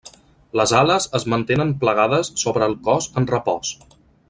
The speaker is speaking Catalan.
Les ales es mantenen plegades sobre el cos en repòs.